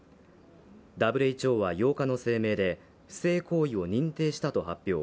ＷＨＯは８日の声明で、不正行為を認定したと発表。